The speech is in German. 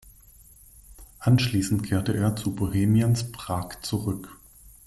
Anschließend kehrte er zu Bohemians Prag zurück.